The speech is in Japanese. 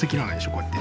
こうやって。